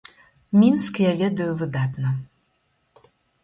Мінск я ведаю выдатна.